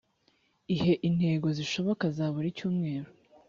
ihe intego zishoboka za buri cyumeru